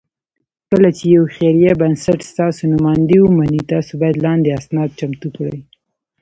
کله چې یو خیري بنسټ ستاسو نوماندۍ ومني، تاسو باید لاندې اسناد چمتو کړئ: